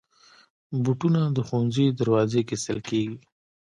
بوټونه د ښوونځي دروازې کې ایستل کېږي.